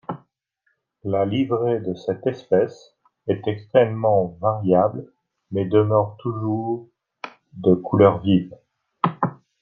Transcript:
La livrée de cette espèce est extrêmement variable mais demeure toujours de couleur vive.